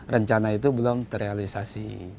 rencana itu belum terrealisasi